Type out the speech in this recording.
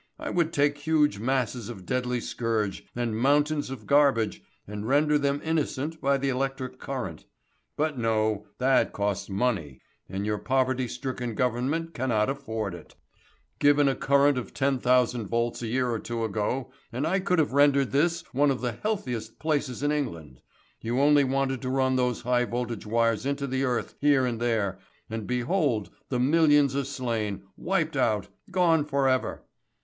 I would take huge masses of deadly scourge and mountains of garbage, and render them innocent by the electric current. But no; that costs money, and your poverty stricken Government cannot afford it. Given a current of 10,000 volts a year or two ago, and I could have rendered this one of the healthiest places in England. You only wanted to run those high voltage wires into the earth here and there, and behold the millions are slain, wiped out, gone for ever.